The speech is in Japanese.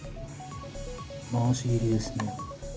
回し蹴りですね。